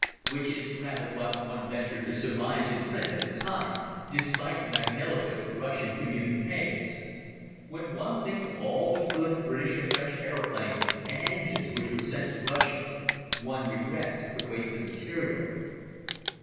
Which is rather what one ventured to surmise in print at the time, despite the magniloquent Russian communiqués. When one thinks of all the good British and French aeroplanes and engines which were sent to Russia one regrets the waste of material.